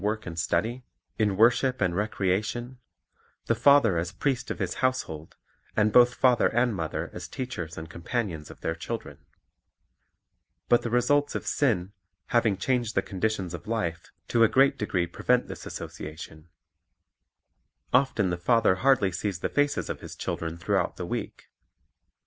31 : 13; 20:11. The Sabbath 251 work and study, in worship and recreation, the father as priest of his household, and both father and mother as teachers and companions of their children. But the results of sin, having changed the conditions of life, to a great degree prevent this association. Often the father hardly sees the faces of his children throughout the week.